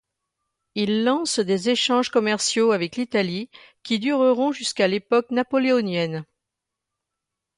Ils lancent des échanges commerciaux avec l'Italie qui dureront jusqu'à l'époque napoléonienne.